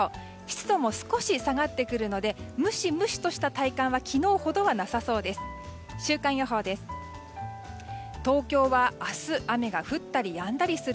湿度も少し下がってくるのでムシムシとした体感は昨日ほどなさそうです。